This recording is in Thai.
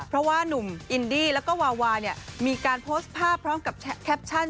เพราะว่านุ่มอินดี้แล้วก็วาวาเนี่ยมีการโพสต์ภาพพร้อมกับแคปชั่น